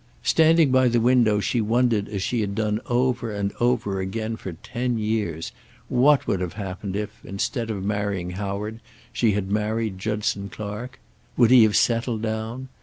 Standing by the window, she wondered as she had done over and over again for ten years, what would have happened if, instead of marrying Howard, she had married Judson Clark? Would he have settled down?